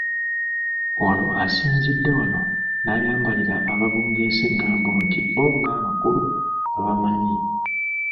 Ono asinzidde wano n'ayambalira ababungeesa eng'ambo nti bo ng'abakulu babamanyi